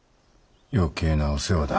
余計なお世話だ。